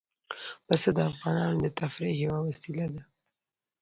پسه د افغانانو د تفریح یوه وسیله ده.